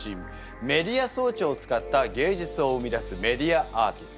メディア装置を使った芸術を生み出すメディアアーティスト。